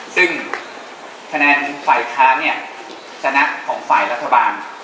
ซึ่งคะแนนไฟค้าจะนัดของไฟรัฐบาล